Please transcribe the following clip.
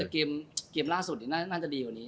เกมล่าสุดน่าจะดีกว่านี้